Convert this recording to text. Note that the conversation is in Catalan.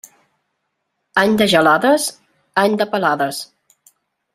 Any de gelades, any de pelades.